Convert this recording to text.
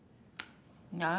何？